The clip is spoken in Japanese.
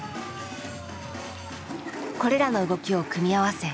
これらの動きを組み合わせ